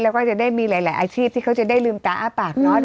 แล้วก็จะได้มีหลายอาชีพที่เขาจะได้ลืมตาอ้าปากเนาะ